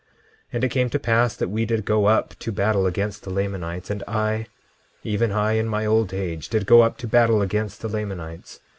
10:10 And it came to pass that we did go up to battle against the Lamanites; and I, even I, in my old age, did go up to battle against the Lamanites.